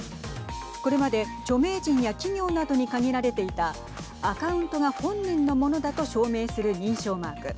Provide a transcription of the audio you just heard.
これまで著名人や企業などに限られていたアカウントが本人のものだと証明する認証マーク。